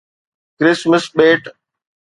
Christmas ٻيٽ